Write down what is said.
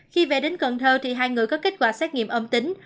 khi về đến cần thơ thì hai người có kết quả xét nghiệm âm tính